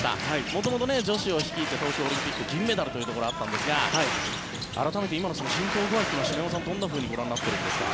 元々、女子を率いて東京オリンピック銀メダルというところがあったんですが改めて今の浸透具合は篠山さんはどうご覧になっていますか。